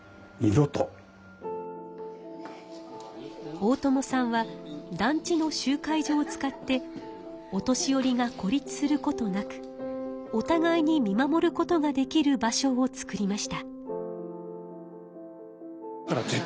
大友さんは団地の集会所を使ってお年寄りが孤立することなくおたがいに見守ることができる場所を作りました。